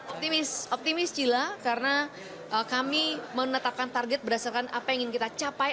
optimis jila karena kami menetapkan target berdasarkan apa yang ingin kita capai